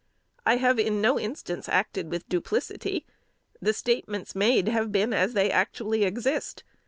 I have in no instance acted with duplicity. The statements made, have been as they actually exist.